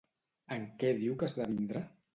En què diu que esdevindrà?